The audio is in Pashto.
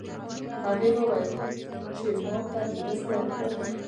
هغې وویل چې ما ته د مرستې اړتیا ده